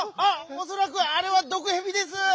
おそらくあれはどくへびです！